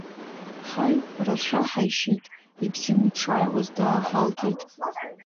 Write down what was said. Ҳаи, рацәа ҳаишьит, ибзианы дшааиуаз дааҳалгеит!